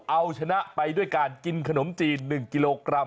เอาชนะไปด้วยการกินขนมจีน๑กิโลกรัม